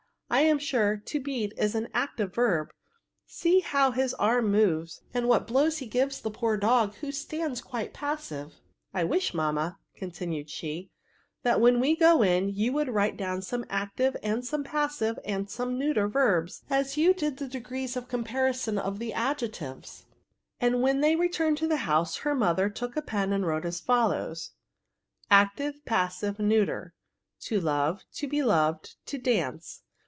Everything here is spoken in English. I am sure to beat is an active verb ; see how his arm moves, and what blows he gives the poor dog, who stands quite passive* I wish, mamma," continued she, " that, when we go in, you would write down some active, and some passive, and some neuter verbs ; as you did the degrees of comparison of the adjectives:" and when they returned to the house, her mother took a I>en vad wrote as follows^— ' Q 62 VERBS. Active. Passive, Neuter. To love. To be loved. To dance.